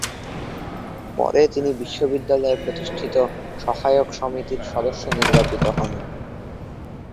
পরে তিনি বিশ্ববিদ্যালয়ে প্রতিষ্ঠিত সহায়ক সমিতির সদস্য নির্বাচিত হন।